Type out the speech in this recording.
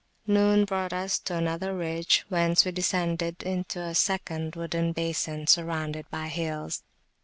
Noon brought us to another ridge, whence we descended into a second wooded basin surrounded by hills.